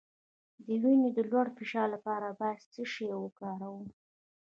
د وینې د لوړ فشار لپاره باید څه شی وکاروم؟